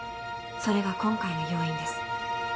それが今回の要因です。